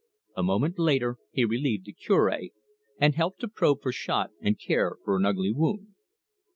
A moment later he relieved the Cure and helped to probe for shot, and care for an ugly wound.